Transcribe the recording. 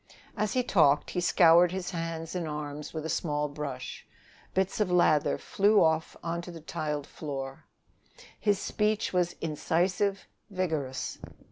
As he talked he scoured his hands and arms with a small brush; bits of lather flew off on to the tiled floor. His speech was incisive, vigorous.